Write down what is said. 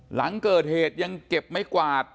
หลังเกิดเหตุยังเก็บไม้กวาด